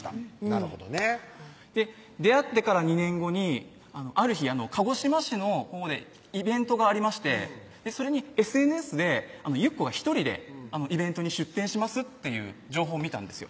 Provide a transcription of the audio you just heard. なるほどね出会ってから２年後にある日鹿児島市のほうでイベントがありましてそれにＳＮＳでゆっこが１人でイベントに出店しますっていう情報を見たんですよ